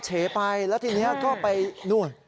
เฉไปแล้วทีนี้ก็ไปนู่น